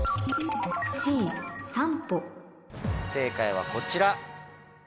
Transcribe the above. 正解はこちら。